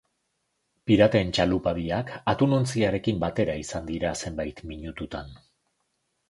Piraten txalupa biak atunontziarekin batera izan dira zenbait minututan.